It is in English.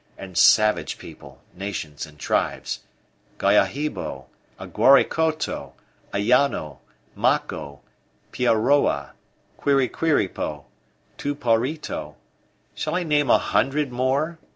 And savage people, nations and tribes Guahibo, Aguaricoto, Ayano, Maco, Piaroa, Quiriquiripo, Tuparito shall I name a hundred more?